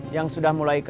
yang sudah mulai kenal